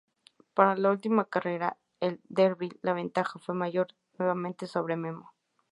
Para la última carrera, El Derby, la ventaja fue mayor nuevamente sobre Memo.